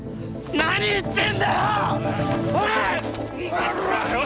何言ってんだよ！